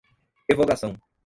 revogação